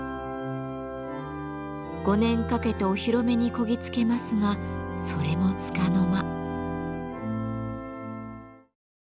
５年かけてお披露目にこぎ着けますがそれもつかの間。